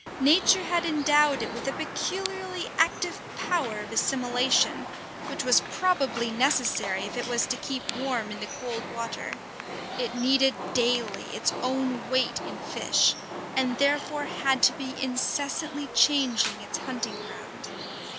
Nature had endowed it with a peculiarly active power of assimilation, which was probably necessary if it was to keep warm in the cold water; it needed daily its own weight in fish, and therefore had to be incessantly changing its hunting ground.